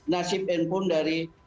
nasib handphone dari